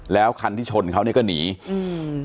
แล้วคันที่ชนเขาเนี้ยก็หนีอืม